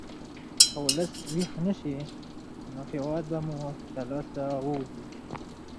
که ولس ویښ نه شي، نو هېواد به مو له لاسه ووځي.